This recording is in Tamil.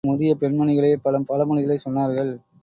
பெரும்பாலும் முதிய பெண்மணிகளே பல பழமொழிகளைச் சொன்னார்கள்.